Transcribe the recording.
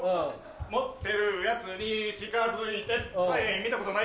持ってるヤツに近づいてはい